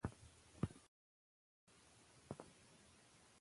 افغانستان کې ګاز د هنر په اثار کې منعکس کېږي.